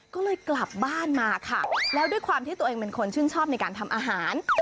ก็เลยกลับบ้านมาค่ะแล้วด้วยความที่ตัวเองเป็นคนชื่นชอบในการทำอาหาร